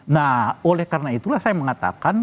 nah oleh karena itulah saya mengatakan